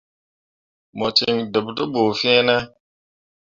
Mo cen ɗeɓ te bu fine ?